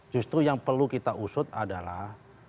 justru yang perlu kita usut adalah